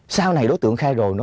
sau này đối tượng khai rồi